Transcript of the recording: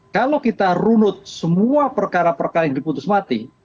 kalau kita runut semua perkara perkara yang diputus mati